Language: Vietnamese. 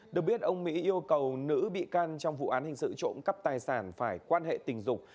được biết ông mỹ yêu cầu nữ bị can trong vụ án hình sự trộm cắp tài sản phải quan hệ tình dục